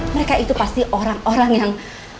mereka itu pasti orang orang yang